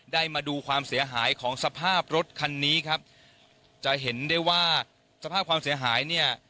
มาดูความเสียหายของสภาพรถคันนี้ครับจะเห็นได้ว่าสภาพความเสียหายเนี่ย